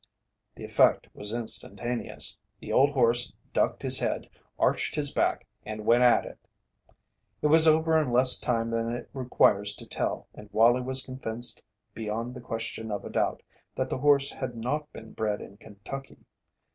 The effect was instantaneous. The old horse ducked his head, arched his back, and went at it. It was over in less time than it requires to tell and Wallie was convinced beyond the question of a doubt that the horse had not been bred in Kentucky.